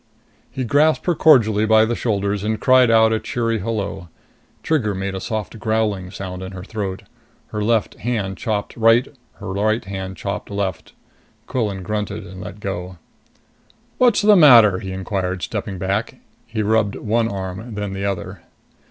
He grasped her cordially by the shoulders and cried out a cheery hello. Trigger made a soft growling sound in her throat. Her left hand chopped right, her right hand chopped left. Quillan grunted and let go. "What's the matter?" he inquired, stepping back. He rubbed one arm, then the other.